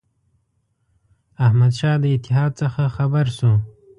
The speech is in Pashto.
احمدشاه د اتحاد څخه خبر شو.